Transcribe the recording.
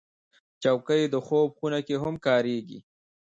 چوکۍ د خوب خونه کې هم کارېږي.